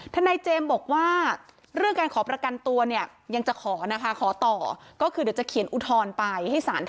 ทนายเจมส์บอกว่าเรื่องการขอประกันตัวเนี้ย